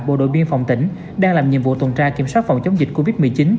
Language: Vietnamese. bộ đội biên phòng tỉnh đang làm nhiệm vụ tuần tra kiểm soát phòng chống dịch covid một mươi chín